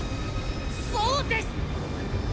そうです！